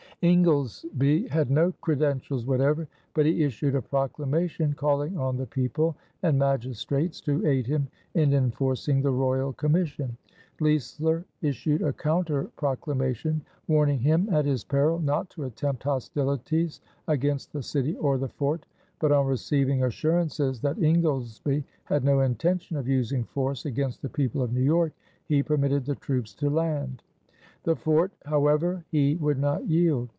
Ingoldesby had no credentials whatever, but he issued a proclamation calling on the people and magistrates to aid him in enforcing the royal commission. Leisler issued a counter proclamation warning him at his peril not to attempt hostilities against the city or the fort; but on receiving assurances that Ingoldesby had no intention of using force against the people of New York, he permitted the troops to land. The fort, however, he would not yield.